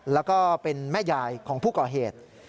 แล้วก็เป็นแม่ยายของผู้ก่อเหตุ